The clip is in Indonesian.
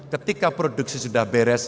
ketika produksi sudah beres